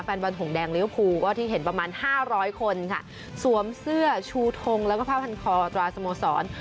แฟนบอลหงแดงเลี้ยวภูก็ที่เห็นประมาณห้าร้อยคนค่ะสวมเสื้อชูทงแล้วก็ผ้าพันคอตราสโมสร